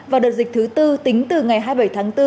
và đợt dịch thứ tư tính từ ngày hai mươi bảy tháng bốn